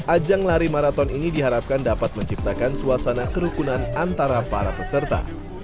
ajang lari maraton ini diharapkan dapat menciptakan suasana kerukunan antara para peserta